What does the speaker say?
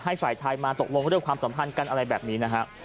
ให้สายทายมาตกลงด้วยความสัมพันธ์กันอะไรแบบนี้นะฮะ